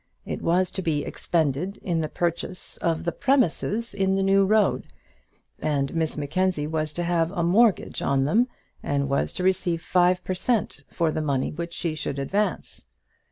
It was to be expended in the purchase of the premises in the New Road, and Miss Mackenzie was to have a mortgage on them, and was to receive five per cent for the money which she should advance.